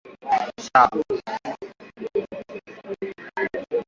Chambua maharage na kuyaosha kwa maji